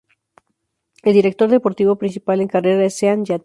El director deportivo principal en carrera es Sean Yates.